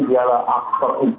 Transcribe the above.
dia akan terutamakan